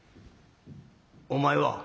「お前は？」。